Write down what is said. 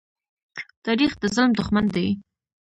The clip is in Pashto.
تاریخ د ظلم دښمن دی.